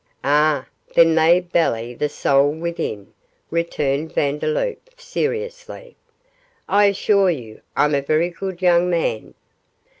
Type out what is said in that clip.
'Ah, then they belie the soul within,' returned Vandeloup, seriously. 'I assure you, I'm a very good young man.